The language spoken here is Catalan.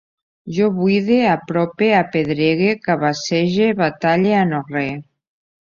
Jo buide, aprope, apedregue, cabassege, batalle, anorree